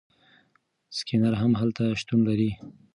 سکینر هم هلته شتون لري.